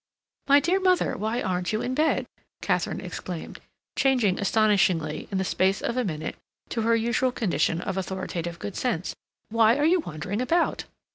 "My dear mother, why aren't you in bed?" Katharine exclaimed, changing astonishingly in the space of a minute to her usual condition of authoritative good sense. "Why are you wandering about?"